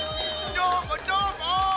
どーもどーも！